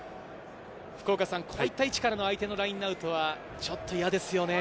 こういった位置からの相手のラインアウトはちょっと嫌ですよね。